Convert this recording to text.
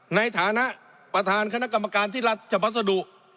ในฐานะประธานคณะกรรมการที่ราชพัสดุ